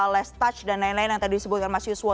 less touch dan lain lain yang tadi disebutkan mas yuswo